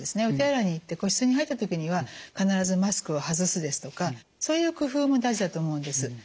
お手洗いに行って個室に入った時には必ずマスクを外すですとかそういう工夫も大事だと思うんです。